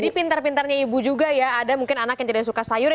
jadi pintar pintarnya ibu juga ya ada mungkin anak yang tidak suka sayur